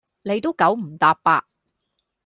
你都九唔答八